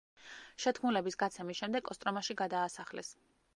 შეთქმულების გაცემის შემდეგ კოსტრომაში გადაასახლეს.